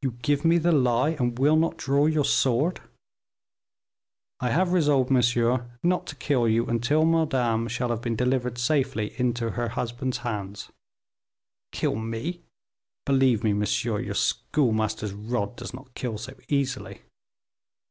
"You give me the lie, and will not draw your sword?" "I have resolved, monsieur, not to kill you until Madame shall have been delivered safely into her husband's hands." "Kill me! Believe me, monsieur, your schoolmaster's rod does not kill so easily."